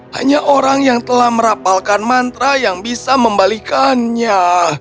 hanya orang yang telah merapalkan mantra yang bisa membalikannya